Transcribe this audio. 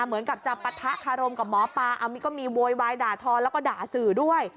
เหมือนกับจะปะทะคารมกับหมอปลาเอามีก็มีโวยวายด่าทอแล้วก็ด่าสื่อด้วย